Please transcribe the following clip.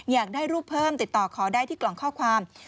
อยากได้รูปเพิ่มติดต่อขอได้ที่กล่องข้อความ